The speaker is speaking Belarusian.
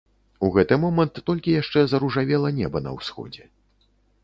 У гэты момант толькі яшчэ заружавела неба на ўсходзе.